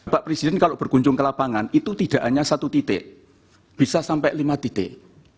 pak presiden kalau berkunjung ke lapangan itu tidak hanya satu titik bisa sampai lima titik